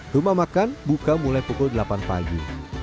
rumah makan buka mulai pukul delapan pagi